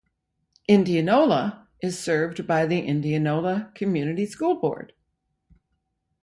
Indianola is served by the Indianola Community School District.